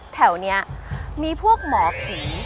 แถวนี้มีพวกหมอผี